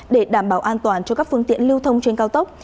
để đảm bảo an toàn cho các phương tiện lưu thông trên cao tốc